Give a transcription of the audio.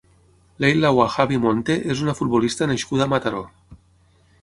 Leila Ouahabi Monte és una futbolista nascuda a Mataró.